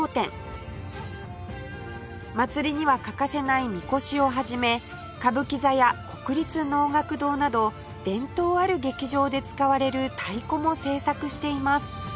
祭りには欠かせない神輿を始め歌舞伎座や国立能楽堂など伝統ある劇場で使われる太鼓も製作しています